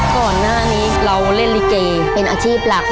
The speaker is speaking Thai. ก่อนหน้านี้เราเล่นลิเกเป็นอาชีพหลัก